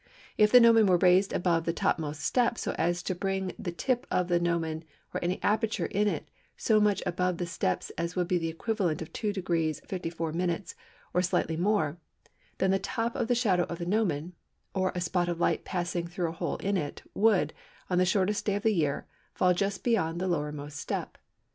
If the gnomon were raised above the topmost step so as to bring the tip of the gnomon or any aperture in it so much above the step as would be the equivalent of 2° 54′ or slightly more, then the top of the shadow of the gnomon (or a spot of light passing through a hole in it) would, on the shortest day of the year, fall just beyond the lowermost step.